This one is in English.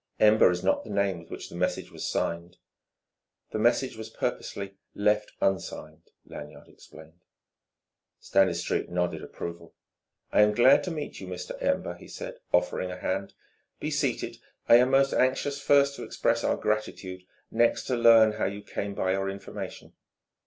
Ember is not the name with which the message was signed." "The message was purposely left unsigned," Lanyard explained. Stanistreet nodded approval. "I am glad to meet you, Mr. Ember," he said, offering a hand. "Be seated. I am most anxious first to express our gratitude, next to learn how you came by your information."